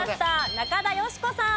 中田喜子さん。